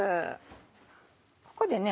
ここでね